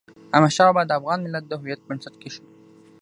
احمد شاه بابا د افغان ملت د هویت بنسټ کېښود.